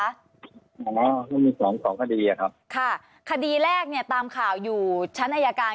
หมอก็มีสองสองคดีอะครับค่ะคดีแรกเนี่ยตามข่าวอยู่ชั้นอายการ